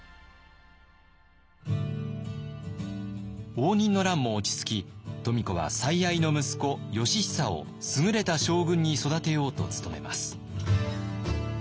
応仁の乱も落ち着き富子は最愛の息子義尚を優れた将軍に育てようと努めます。